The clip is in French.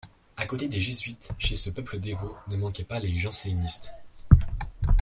À côté des jésuites, chez ce peuple dévot, ne manquaient pas les jansénistes.